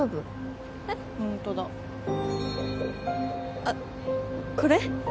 あっこれ？